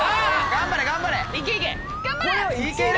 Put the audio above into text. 頑張れ頑張れ。